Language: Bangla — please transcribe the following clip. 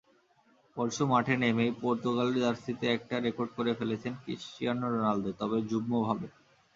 পরশু মাঠে নেমেই পর্তুগালের জার্সিতে একটা রেকর্ড করে ফেলেছেন ক্রিস্টিয়ানো রোনালদো, তবে যুগ্মভাবে।